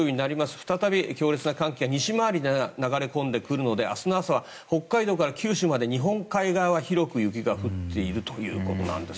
再び強烈な寒気が西回りで流れ込んでくるので明日の朝は北海道から九州まで日本海側では広く雪が降っています。